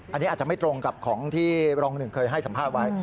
อันนี้อาจจะไม่ตรงกับของที่รองหนึ่งเคยให้สัมภาษณ์ไว้